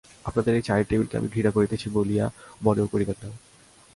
আপনাদের এই চায়ের টেবিলকে আমি ঘৃণা করিতেছি বলিয়া মনেও করিবেন না।